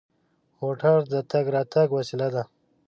موټر د تګ راتګ وسیله ده.